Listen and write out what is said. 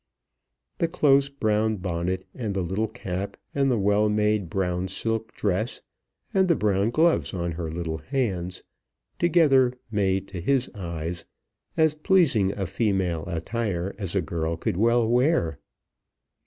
The close brown bonnet and the little cap, and the well made brown silk dress, and the brown gloves on her little hands, together made, to his eyes, as pleasing a female attire as a girl could well wear.